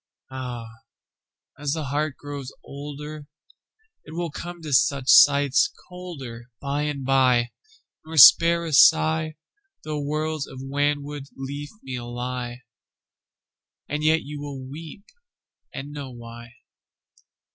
Áh! ás the heart grows olderIt will come to such sights colderBy and by, nor spare a sighThough worlds of wanwood leafmeal lie; And yet you wíll weep and know why.